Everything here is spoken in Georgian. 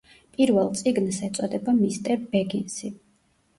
პირველ წიგნს ეწოდება „მისტერ ბეგინსი“.